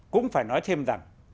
cũng phải nói thêm rằng